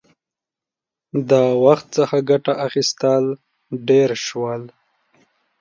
• د وخت څخه ګټه اخیستل ډېر شول.